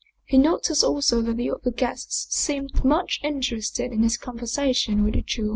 He noticed also that the other guests seemed much interested in his conversation with the Jew.